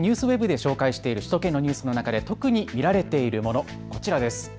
ＮＨＫＮＥＷＳＷＥＢで紹介している首都圏のニュースの中で特に見られているもの、こちらです。